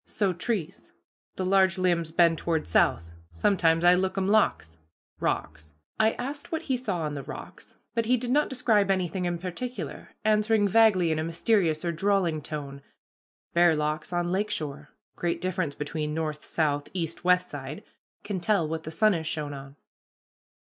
So trees the large limbs bend toward south. Sometimes I lookum locks" (rocks). I asked what he saw on the rocks, but he did not describe anything in particular, answering vaguely, in a mysterious or drawling tone, "bare locks on lake shore great difference between north, south, east, west side can tell what the sun has shone on."